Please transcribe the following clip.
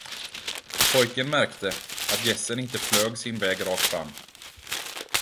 Pojken märkte, att gässen inte flög sin väg rakt fram.